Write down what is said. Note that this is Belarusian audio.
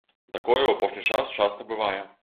Такое ў апошні час часта бывае.